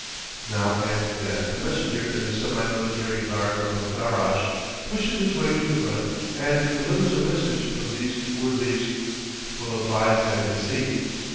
Now and then a messenger in the semi military garb of a farrash, pushes his way to the front and delivers a message from these worthies, full of lies and deceit.